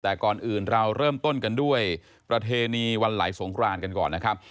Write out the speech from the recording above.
แต่ก่อนอื่นเราเริ่มต้นกันด้วยประเพณีวันไหลสงครานกันก่อนนะครับ